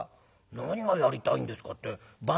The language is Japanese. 「何がやりたいんですかって番台頭」。